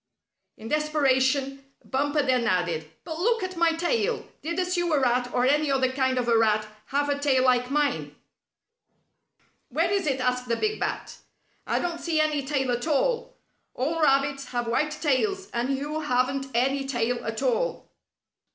In desperation, Bumper then added: "But look at my tail! Did a Sewer Rat or any other kind of a Rat have a tail like mine?" "Where is it?" asked the big Bat. "I don't see any tail at all. All rabbits have white tails, and you haven't any at all."